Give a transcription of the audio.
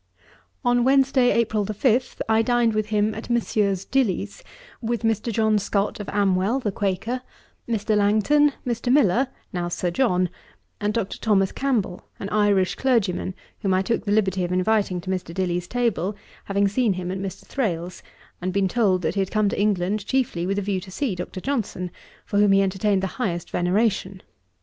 On Wednesday, April 5, I dined with him at Messieurs Dilly's, with Mr. John Scott of Amwell, the Quaker, Mr. Langton, Mr. Miller, (now Sir John,) and Dr. Thomas Campbell, an Irish Clergyman, whom I took the liberty of inviting to Mr. Billy's table, having seen him at Mr. Thrale's, and been told that he had come to England chiefly with a view to see Dr. Johnson, for whom he entertained the highest veneration.